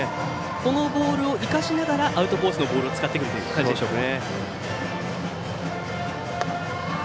このボールを生かしながらアウトコースのボールを使ってくるという感じでしょうか。